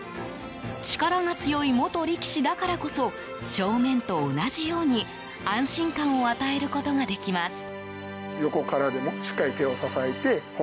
力が強い元力士だからこそ正面と同じように安心感を与えることができます。